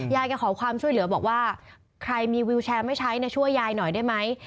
ยายแกขอความช่วยเหลือบอกว่าใครมีวิวแชร์ไม่ใช้ช่วยยายหน่อยได้ไหม